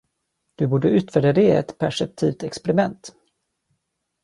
Du borde utvärdera det i ett perceptivt experiment.